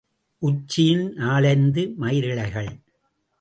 உச்சியில் நாலைந்து மயிரிழைகள்.